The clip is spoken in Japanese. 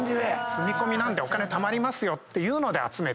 住み込みなんでお金たまりますよっていうので集めて。